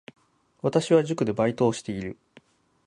私は塾でバイトをしている